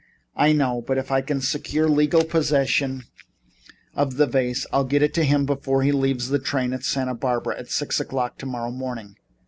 "I know, but if I can secure legal possession of the vase I'll get it to him before he leaves the train at Santa Barbara at six o'clock tomorrow morning."